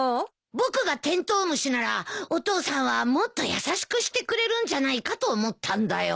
僕がテントウムシならお父さんはもっと優しくしてくれるんじゃないかと思ったんだよ。